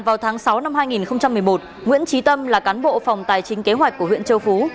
vào tháng sáu năm hai nghìn một mươi một nguyễn trí tâm là cán bộ phòng tài chính kế hoạch của huyện châu phú